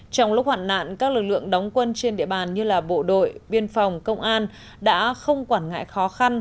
trong lúc hoạn nạn các lực lượng đóng quân trên địa bàn như bộ đội biên phòng công an đã không quản ngại khó khăn